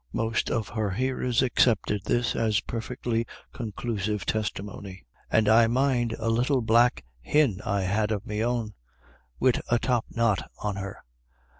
Most of her hearers accepted this as perfectly conclusive testimony. " And I mind a little black hin I had of me own, wid a top knot on her.